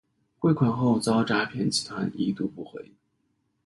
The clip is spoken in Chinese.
汇款后遭诈骗集团已读不回